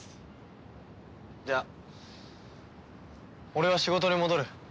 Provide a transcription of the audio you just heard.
じゃあ俺は仕事に戻る。